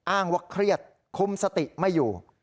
อ้างว่าเครียดคุมสติไม่อยู่